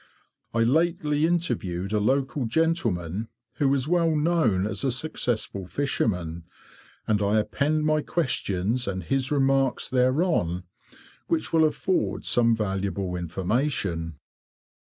I lately interviewed a local gentleman who is well known as a successful fisherman, and I append my questions and his remarks thereon, which will afford some valuable information.